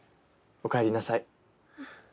おかえりなさい。